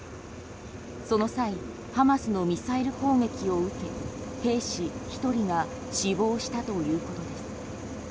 その際ハマスのミサイル攻撃を受け兵士１人が死亡したということです。